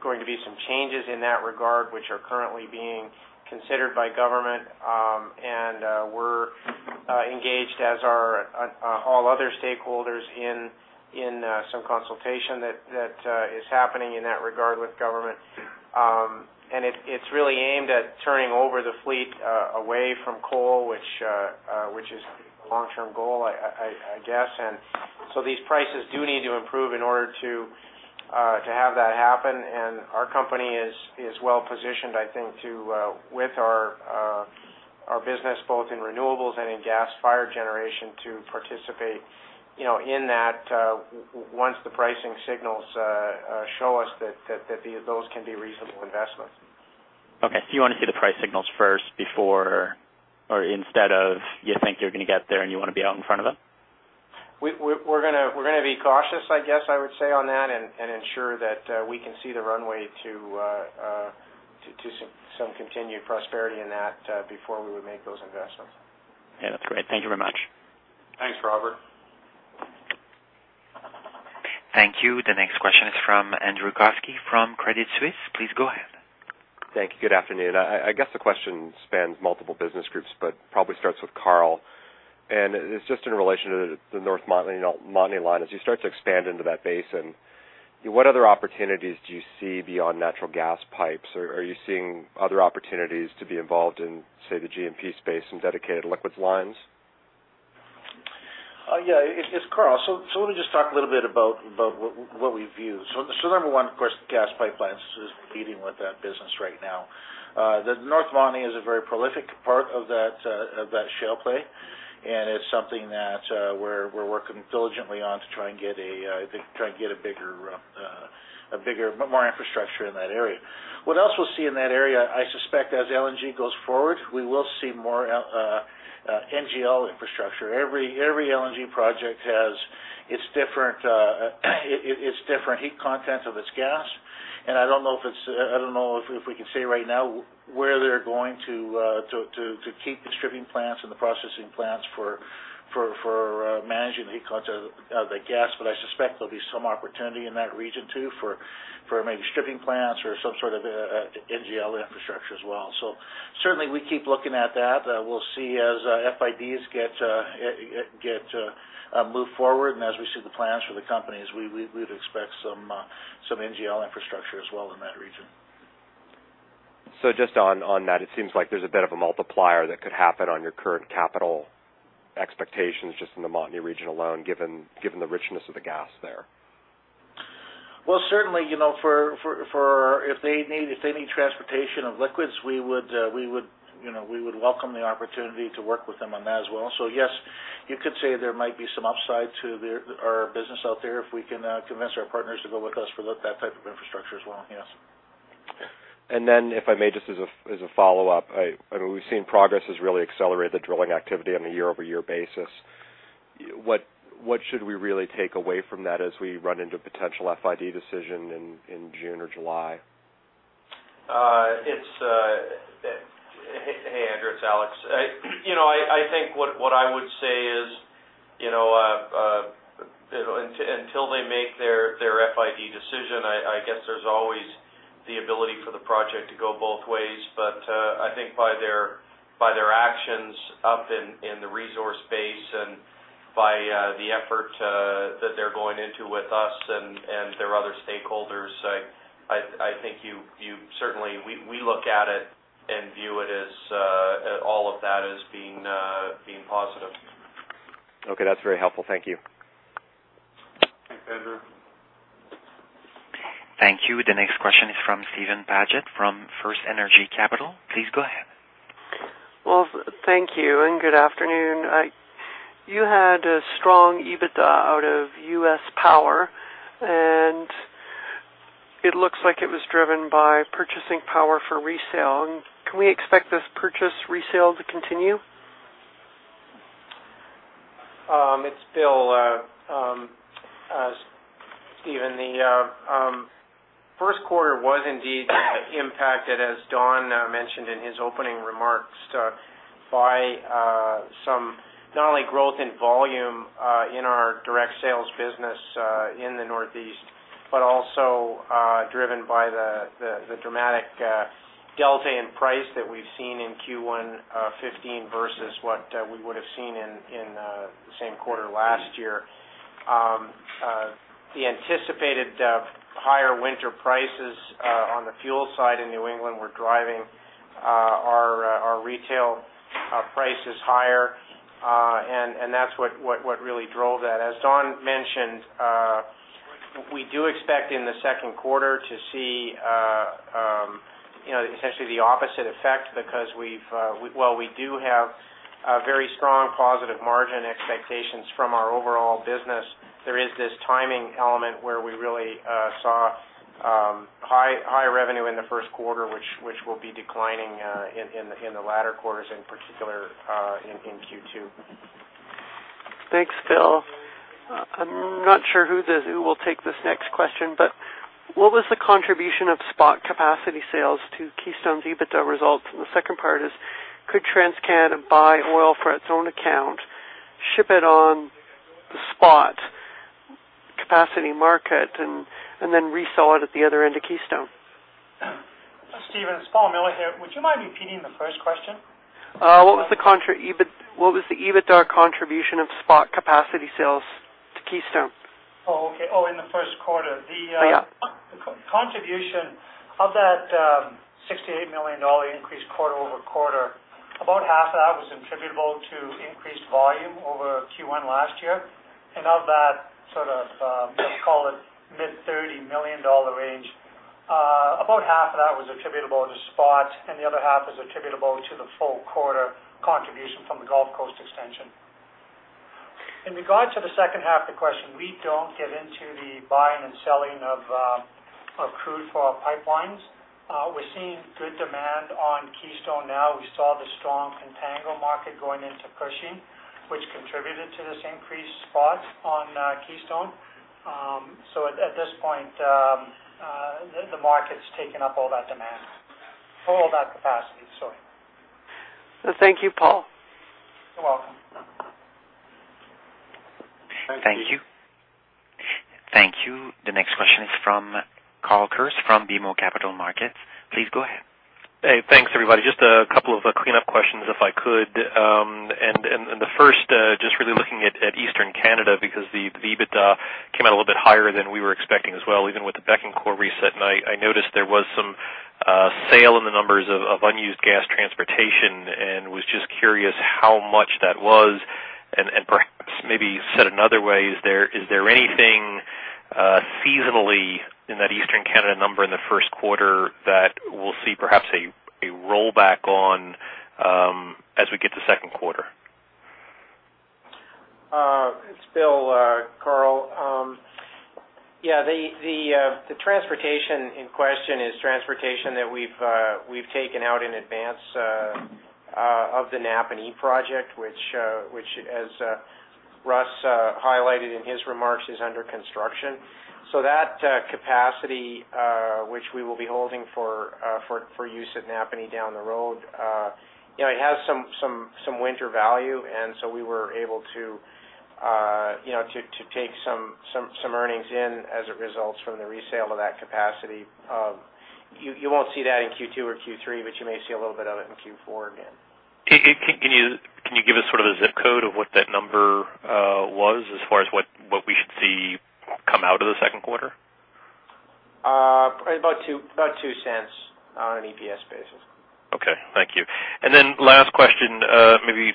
going to be some changes in that regard, which are currently being considered by government. We're engaged, as are all other stakeholders, in some consultation that is happening in that regard with government. It's really aimed at turning over the fleet away from coal, which is a long-term goal, I guess. These prices do need to improve in order to have that happen. Our company is well-positioned, I think, with our business, both in renewables and in gas-fired generation, to participate in that once the pricing signals show us that those can be reasonable investments.
Okay. You want to see the price signals first instead of you think you're going to get there and you want to be out in front of them?
We're going to be cautious, I guess I would say on that, and ensure that we can see the runway to some continued prosperity in that before we would make those investments.
Yeah, that's great. Thank you very much.
Thanks, Robert.
Thank you. The next question is from Andrew Kuske from Credit Suisse. Please go ahead.
Thank you. Good afternoon. I guess the question spans multiple business groups, but probably starts with Karl, and it is just in relation to the North Montney line. As you start to expand into that basin, what other opportunities do you see beyond natural gas pipes? Are you seeing other opportunities to be involved in, say, the NGL space and dedicated liquids lines?
Yeah. It is Karl. Let me just talk a little bit about what we view. Number one, of course, gas pipelines. Just leading with that business right now. The North Montney is a very prolific part of that shale play, and it is something that we are working diligently on to try and get more infrastructure in that area. What else we will see in that area, I suspect as LNG goes forward, we will see more NGL infrastructure. Every LNG project has its different heat content of its gas. I do not know if we can say right now where they are going to keep the stripping plants and the processing plants for managing the heat content of the gas, but I suspect there will be some opportunity in that region too, for maybe stripping plants or some sort of NGL infrastructure as well. Certainly, we keep looking at that. We will see as FIDs move forward, and as we see the plans for the companies, we would expect some NGL infrastructure as well in that region.
Just on that, it seems like there's a bit of a multiplier that could happen on your current capital expectations just in the Montney region alone, given the richness of the gas there.
Certainly, if they need transportation of liquids, we would welcome the opportunity to work with them on that as well. Yes, you could say there might be some upside to our business out there if we can convince our partners to go with us for that type of infrastructure as well, yes.
Then, if I may, just as a follow-up. We've seen Progress has really accelerated the drilling activity on a year-over-year basis. What should we really take away from that as we run into potential FID decision in June or July?
Hey, Andrew, it's Alex. I think what I would say is, until they make their FID decision, I guess there's always the ability for the project to go both ways. I think by their actions up in the resource basin by the effort that they're going into with us and their other stakeholders, certainly, we look at it and view all of that as being positive.
Okay, that's very helpful. Thank you.
Thanks, Andrew.
Thank you. The next question is from Steven Paget from FirstEnergy Capital. Please go ahead.
Well, thank you. Good afternoon. You had a strong EBITDA out of U.S. Power, it looks like it was driven by purchasing power for resale. Can we expect this purchase resale to continue?
It's Bill. Steven, the first quarter was indeed impacted, as Don mentioned in his opening remarks, by some not only growth in volume in our direct sales business in the Northeast, but also driven by the dramatic delta in price that we've seen in Q1 2015 versus what we would've seen in the same quarter last year. The anticipated higher winter prices on the fuel side in New England were driving our retail prices higher. That's what really drove that. As Don mentioned, we do expect in the second quarter to see essentially the opposite effect because, well, we do have very strong positive margin expectations from our overall business. There is this timing element where we really saw high revenue in the first quarter, which will be declining in the latter quarters, in particular, in Q2.
Thanks, Bill. I'm not sure who will take this next question, but what was the contribution of spot capacity sales to Keystone's EBITDA results? The second part is, could TransCanada buy oil for its own account, ship it on the spot capacity market, and then resell it at the other end of Keystone?
Steven, it's Paul Miller here. Would you mind repeating the first question?
What was the EBITDA contribution of spot capacity sales to Keystone?
Oh, okay. Oh, in the first quarter.
Yeah.
The contribution of that 68 million dollar increase quarter-over-quarter, about half of that was attributable to increased volume over Q1 last year. Of that sort of, let's call it mid 30 million dollar range, about half of that was attributable to spot, and the other half was attributable to the full quarter contribution from the Gulf Coast Project. In regard to the second half of the question, we don't get into the buying and selling of crude for our pipelines. We're seeing good demand on Keystone now. We saw the strong Contango market going into Cushing, which contributed to this increased spot on Keystone. At this point, the market's taken up all that demand. All that capacity, sorry.
Thank you, Paul.
You're welcome.
Thank you. The next question is from Carl Kirst from BMO Capital Markets. Please go ahead.
Hey, thanks everybody. Just a couple of cleanup questions if I could. The first, just really looking at Eastern Canada, because the EBITDA came out a little bit higher than we were expecting as well, even with the Bécancour reset. I noticed there was some sale in the numbers of unused gas transportation and was just curious how much that was. Perhaps, maybe said another way, is there anything seasonally in that Eastern Canada number in the first quarter that we'll see perhaps a roll-back on as we get to second quarter?
It's Bill, Carl Kirst. Yeah, the transportation in question is transportation that we've taken out in advance of the Napanee project, which as
Russ highlighted in his remarks is under construction. That capacity, which we will be holding for use at Napanee down the road, it has some winter value, and so we were able to take some earnings in as it results from the resale of that capacity. You won't see that in Q2 or Q3, but you may see a little bit of it in Q4 again.
Can you give us sort of a zip code of what that number was as far as what we should see come out of the second quarter?
About 0.02 on an EPS basis.
Okay. Thank you. Last question,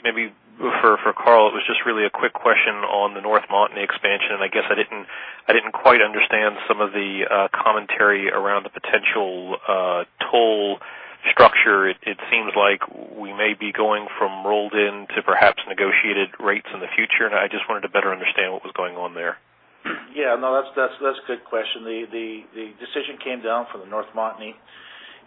maybe for Karl. It was just really a quick question on the North Montney expansion, and I guess I didn't quite understand some of the commentary around the potential toll structure. It seems like we may be going from roll-in to perhaps negotiated rates in the future, and I just wanted to better understand what was going on there.
Yeah. No, that's a good question. The decision came down from the North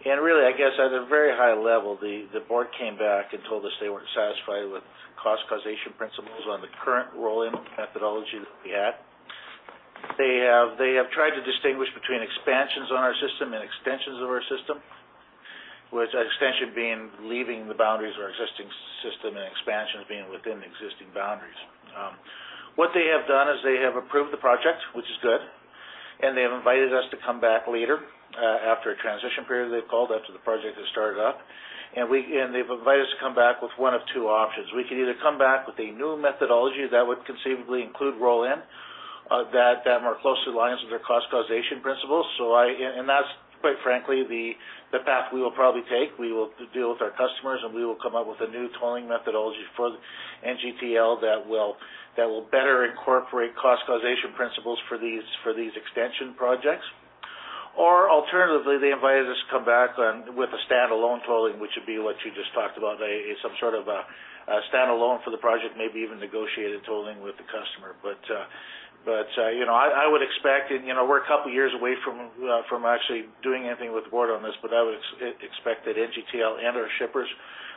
Montney. Really, I guess, at a very high level, the board came back and told us they weren't satisfied with Cost Causation principles on the current roll-in methodology that we had. They have tried to distinguish between expansions on our system and extensions of our system, with extension being leaving the boundaries of our existing system and expansions being within existing boundaries. What they have done is they have approved the project, which is good, and they have invited us to come back later, after a transition period they've called, after the project has started up. They've invited us to come back with one of two options. We can either come back with a new methodology that would conceivably include roll-in, that more closely aligns with their Cost Causation principles. That's, quite frankly, the path we will probably take. We will deal with our customers, and we will come up with a new tolling methodology for NGTL that will better incorporate cost causation principles for these extension projects. Alternatively, they invited us to come back with a standalone tolling, which would be what you just talked about, some sort of a standalone for the project, maybe even negotiated tolling with the customer. I would expect, and we're a couple of years away from actually doing anything with the board on this, I would expect that NGTL and our shippers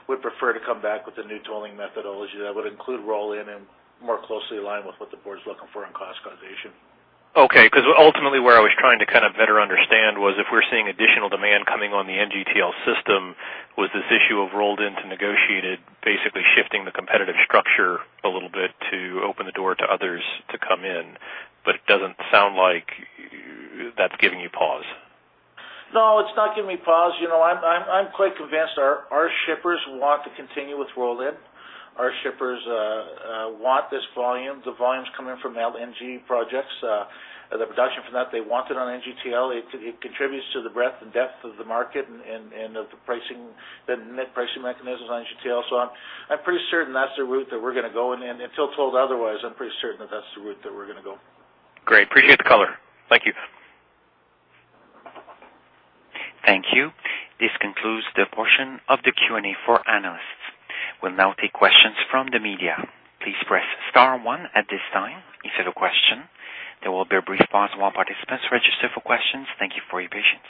would prefer to come back with a new tolling methodology that would include roll-in and more closely align with what the board's looking for on cost causation.
Okay, ultimately, where I was trying to better understand was if we're seeing additional demand coming on the NGTL system, was this issue of rolled in to negotiated, basically shifting the competitive structure a little bit to open the door to others to come in. It doesn't sound like that's giving you pause.
No, it's not giving me pause. I'm quite convinced our shippers want to continue with roll-in. Our shippers want this volume. The volumes coming from LNG projects, the production from that, they want it on NGTL. It contributes to the breadth and depth of the market and of the net pricing mechanisms on NGTL. I'm pretty certain that's the route that we're going to go, and until told otherwise, I'm pretty certain that that's the route that we're going to go.
Great. Appreciate the color. Thank you.
Thank you. This concludes the portion of the Q&A for analysts. We will now take questions from the media. Please press star one at this time if you have a question. There will be a brief pause while participants register for questions. Thank you for your patience.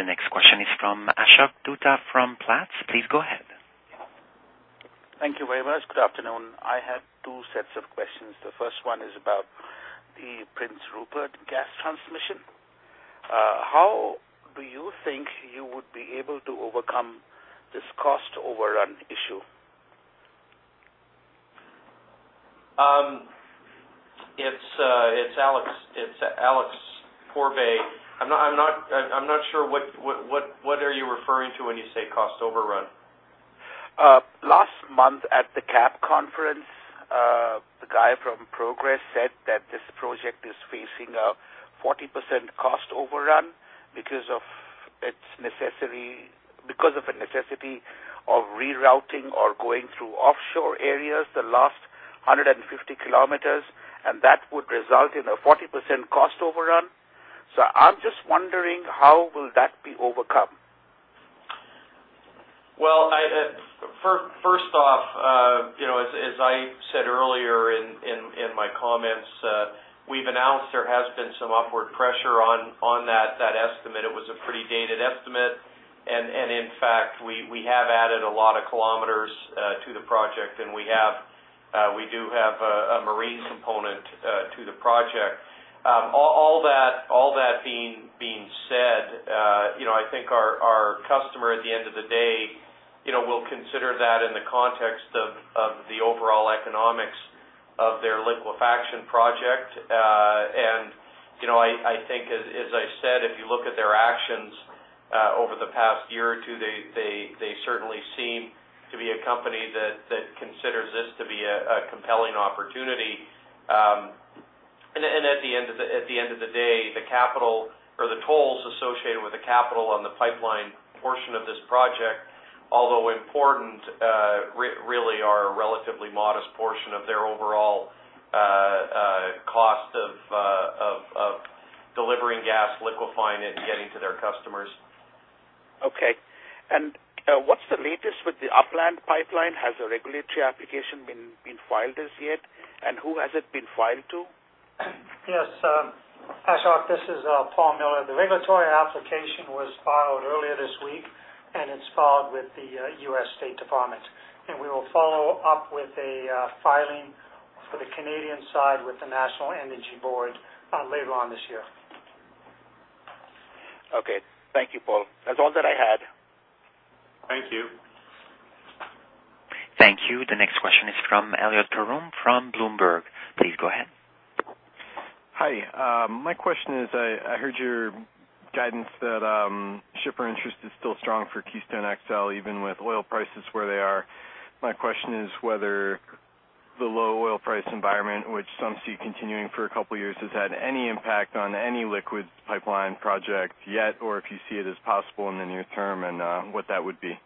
The next question is from Ashok Dutta from Platts. Please go ahead.
Thank you very much. Good afternoon. I have 2 sets of questions. The first one is about the Prince Rupert Gas Transmission. How do you think you would be able to overcome this cost overrun issue?
It is Alex Pourbaix. I am not sure. What are you referring to when you say cost overrun?
Last month at the CAPP conference, the guy from Progress said that this project is facing a 40% cost overrun because of the necessity of rerouting or going through offshore areas, the last 150 km, and that would result in a 40% cost overrun. I am just wondering how will that be overcome?
Well, first off, as I said earlier in my comments, we have announced there has been some upward pressure on that estimate. It was a pretty dated estimate, in fact, we have added a lot of kilometers to the project, we do have a marine component to the project. All that being said, I think our customer at the end of the day, will consider that in the context of the overall economics of their liquefaction project.
I think, as I said, if you look at their actions over the past year or two, they certainly seem to be a company that considers this to be a compelling opportunity. At the end of the day, the capital or the tolls associated with the capital on the pipeline portion of this project, although important, really are a relatively modest portion of their overall cost of delivering gas, liquefying it, and getting to their customers.
Okay. What's the latest with the Upland Pipeline? Has a regulatory application been filed as yet? Who has it been filed to?
Yes. Hi, Ashok. This is Paul Miller. The regulatory application was filed earlier this week, and it's filed with the U.S. State Department, and we will follow up with a filing for the Canadian side with the National Energy Board later on this year.
Okay. Thank you, Paul. That's all that I had.
Thank you.
Thank you. The next question is from Elliot Perun from Bloomberg. Please go ahead.
Hi. My question is, I heard your guidance that shipper interest is still strong for Keystone XL, even with oil prices where they are. My question is whether the low oil price environment, which some see continuing for a couple of years, has had any impact on any liquid pipeline project yet, or if you see it as possible in the near term and what that would be?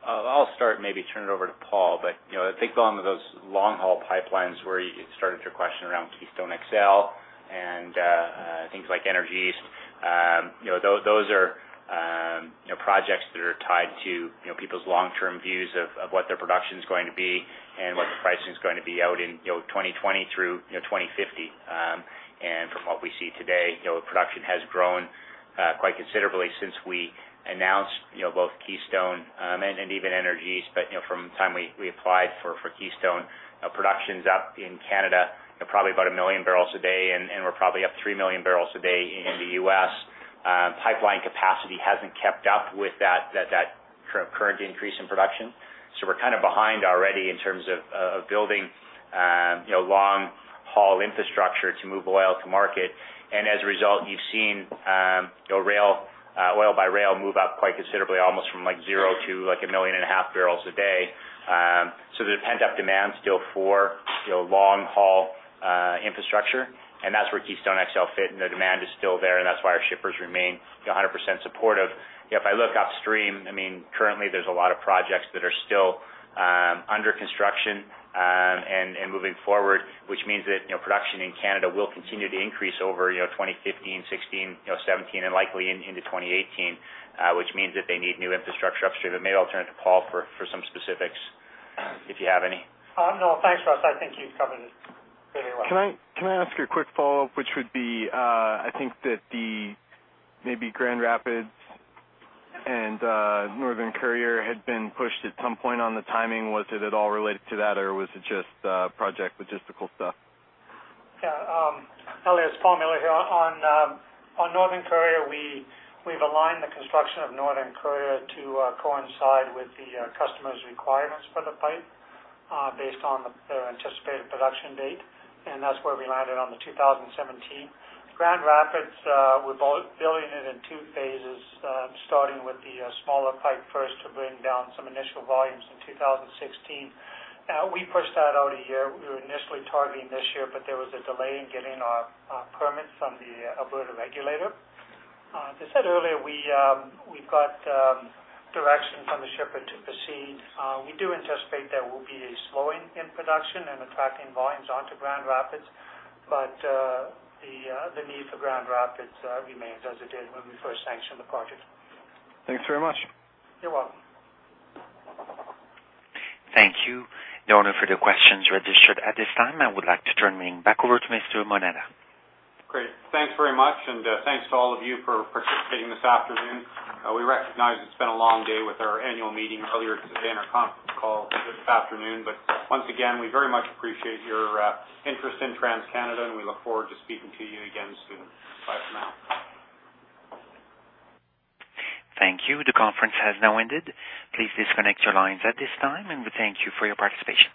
I will start, maybe turn it over to Paul, but I think on those long-haul pipelines where you started your question around Keystone XL and things like Energy East, those are projects that are tied to people's long-term views of what their production is going to be and what the pricing is going to be out in 2020 through 2050. From what we see today, production has grown quite considerably since we announced both Keystone, and even Energy East. From the time we applied for Keystone, production is up in Canada, probably about 1 million barrels a day, and we are probably up 3 million barrels a day in the U.S. Pipeline capacity has not kept up with that current increase in production. We are behind already in terms of building long-haul infrastructure to move oil to market. As a result, you have seen oil by rail move up quite considerably, almost from zero to 1.5 million barrels a day. There is pent-up demand still for long-haul infrastructure, and that is where Keystone XL fit, and the demand is still there, and that is why our shippers remain 100% supportive. If I look upstream, currently there is a lot of projects that are still under construction and moving forward, which means that production in Canada will continue to increase over 2015, 2016, 2017, and likely into 2018, which means that they need new infrastructure upstream. I may alternate to Paul for some specifics, if you have any.
No, thanks, Russ. I think you've covered it very well.
Can I ask you a quick follow-up, which would be, I think that the maybe Grand Rapids and Northern Courier had been pushed at some point on the timing. Was it at all related to that, or was it just project logistical stuff?
Yeah. Elliot, it's Paul Miller here. On Northern Courier, we've aligned the construction of Northern Courier to coincide with the customer's requirements for the pipe based on the anticipated production date, and that's where we landed on the 2017. Grand Rapids, we're building it in two phases, starting with the smaller pipe first to bring down some initial volumes in 2016. We pushed that out a year. There was a delay in getting our permits from the Alberta regulator. As I said earlier, we've got direction from the shipper to proceed. We do anticipate there will be a slowing in production and attracting volumes onto Grand Rapids. The need for Grand Rapids remains as it did when we first sanctioned the project.
Thanks very much.
You're welcome.
Thank you. No further questions registered at this time. I would like to turn the meeting back over to Mr. Moneta.
Great. Thanks very much, and thanks to all of you for participating this afternoon. We recognize it's been a long day with our annual meeting earlier today and our conference call this afternoon. Once again, we very much appreciate your interest in TransCanada, and we look forward to speaking to you again soon. Bye for now.
Thank you. The conference has now ended. Please disconnect your lines at this time, and we thank you for your participation.